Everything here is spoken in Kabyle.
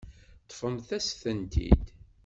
Ṭṭfemt-as-tent-id.